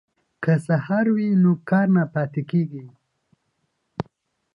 که سهار وي نو کار نه پاتې کیږي.